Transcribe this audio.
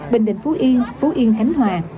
bình định phú yên phú yên khánh hòa